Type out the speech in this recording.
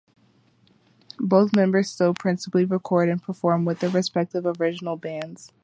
Both members still principally record and perform with their respective original bands.